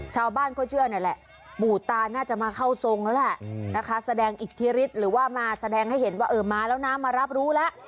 ชาวบ้านเขาเชื่อนั่นแหละปู่ตาน่าจะมาเข้าทรงแล้วแหละนะคะแสดงอิทธิฤทธิ์หรือว่ามาแสดงให้เห็นว่าเออมาแล้วนะมารับรู้แล้ว